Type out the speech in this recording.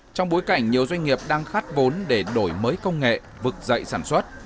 trong bối cảnh nhiều doanh nghiệp đang khát vốn để đổi mới công nghệ vực dậy sản xuất